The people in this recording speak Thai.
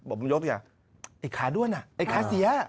บอกบำยกว่าไอ้คาด้วยนะไอ้คาเสีย